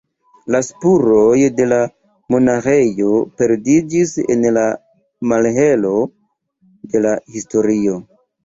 La spuroj de la monaĥejo perdiĝis en la malhelo de la historio.